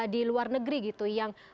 di luar negeri gitu yang